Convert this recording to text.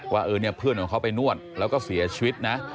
ว่าเพื่อนของเขาไปนวดแล้วก็เสียชีวิตนะ